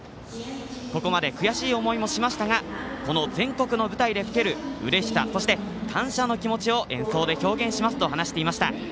ここまで悔しい思いもしましたがこの全国の舞台で吹けるうれしさ、感謝の気持ちを演奏で表現しますと話していました。